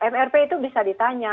mrp itu bisa ditanya